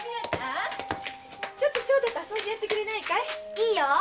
いいよ。